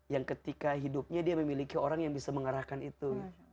yang ketika hidupnya dia memiliki orang yang bisa mengarahkan itu